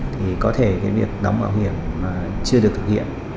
thì có thể cái việc đóng bảo hiểm chưa được thực hiện